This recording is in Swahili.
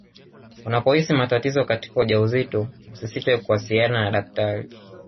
unapohisi matatizo katika ujauzito usisite kuwasiliana na daktari